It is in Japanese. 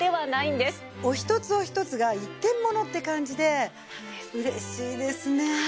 お一つお一つが一点物って感じで嬉しいですね。